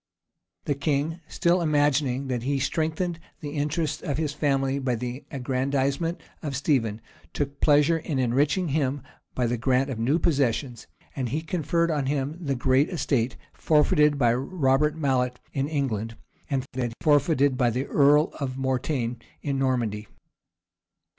The king, still imagining that he strengthened the interests of his family by the aggrandizement of Stephen, took pleasure in enriching him by the grant of new possessions; and he conferred on him the great estate forfeited by Robert Mallet in England, and that forfeited by the earl of Mortaigne in Normandy.